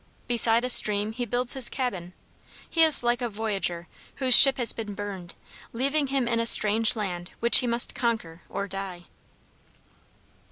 Beside a stream he builds his cabin. He is like a voyager whose ship has been burned, leaving him in a strange land which he must conquer or die.